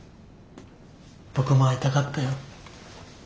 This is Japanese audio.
僕も会いたかったよ。